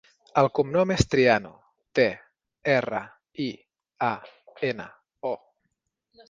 El cognom és Triano: te, erra, i, a, ena, o.